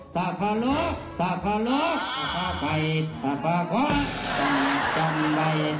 สาภาโลกสาภาโลกสาภาใกรสาภาโค้สาภาจำใด